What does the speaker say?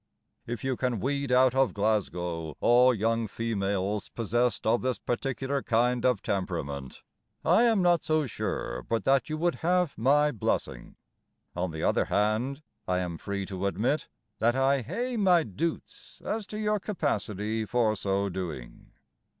If you can weed out of Glasgow All young females Possessed of this particular kind of temperament, I am not so sure But that you would have my blessing. On the other hand, I am free to admit That I hae my doots as to your capacity for so doing.